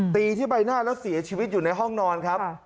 ตีที่ใบหน้าแล้วเสียชีวิตอยู่ในห้องนอนครับ